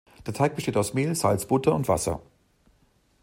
Der Teig besteht aus Mehl, Salz, Butter und Wasser.